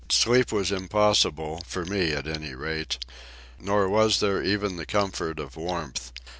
Sleep was impossible—for me, at any rate. Nor was there even the comfort of warmth.